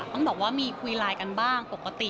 ต้องบอกว่ามีคุยไลน์กันบ้างปกติ